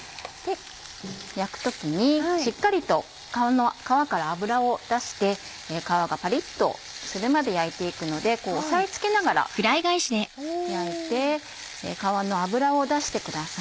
焼く時にしっかりと皮から脂を出して皮がパリっとするまで焼いて行くのでこう押さえ付けながら焼いて皮の脂を出してください。